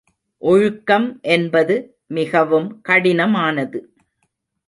ஒழுக்கம் என்பது மிகவும் கடினமானது.